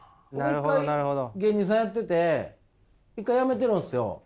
一回芸人さんやってて一回辞めてるんですよ。